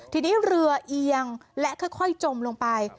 ทีนี้เรือเอียงและค่อยจมลงไป